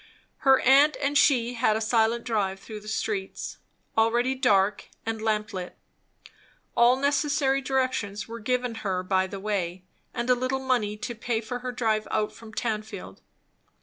Her aunt and she had a silent drive through the streets, already dark and lamp lit. All necessary directions were given her by the way, and a little money to pay for her drive out from Tanfield.